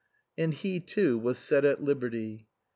And he, too, was set at liberty.